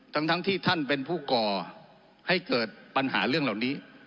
ทั้งที่ท่านเป็นผู้ก่อให้เกิดปัญหาเรื่องเหล่านี้